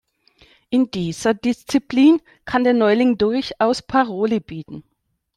In dieser Disziplin kann der Neuling durchaus Paroli bieten.